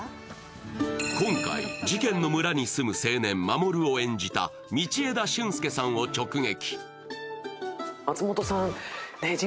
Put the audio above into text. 今回、事件の村に住む青年守を演じた道枝駿佑さんを直撃。